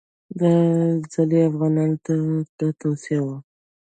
دا ځل یې افغانانو ته دا توصیه وه.